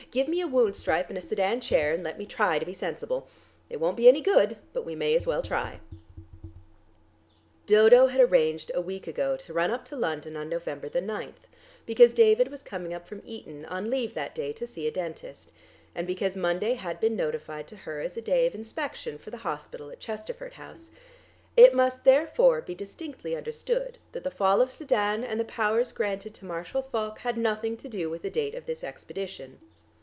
Give me a wound stripe and a Sedan chair, and let me try to be sensible. It won't be any good, but we may as well try." Dodo had arranged a week ago to run up to London on November the ninth, because David was coming up from Eton on leave that day to see a dentist, and because Monday had been notified to her as a day of inspection for the hospital at Chesterford House: it must therefore be distinctly understood that the fall of Sedan and the powers granted to Marshal Foch had nothing to do with the date of this expedition.